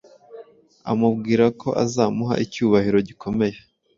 amubwira ko azamuha icyubahiro gikomeye